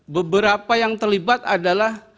beberapa yang terlibat adalah